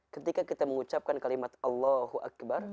ketika kita mengucapkan kalimat allahu akbar